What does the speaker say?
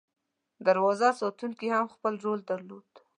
دروازه ساتونکي هم خپل رول درلود.